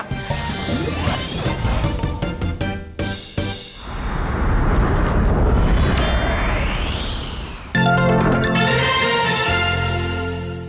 โปรดติดตามตอนต่อไป